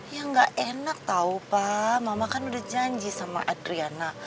ya gak enak tahu pak mama kan udah janji sama adriana